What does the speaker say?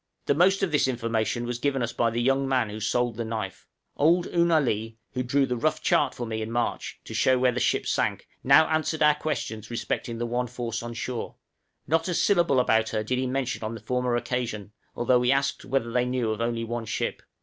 The most of this information was given us by the young man who sold the knife. Old Oo na lee, who drew the rough chart for me in March, to show where the ship sank, now answered our questions respecting the one forced on shore; not a syllable about her did he mention on the former occasion, although we asked whether they knew of only one ship?